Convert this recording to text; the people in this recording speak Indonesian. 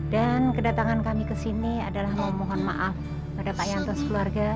dan kedatangan kami ke sini adalah memohon maaf pada pak yanto sekeluarga